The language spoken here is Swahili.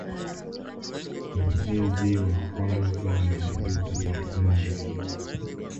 Ni mwezi wa kwanza na mwezi wa nne